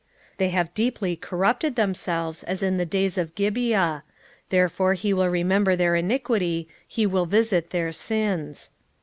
9:9 They have deeply corrupted themselves, as in the days of Gibeah: therefore he will remember their iniquity, he will visit their sins.